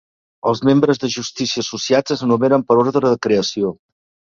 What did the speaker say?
Els membres de justícia associats es numeren per ordre de creació.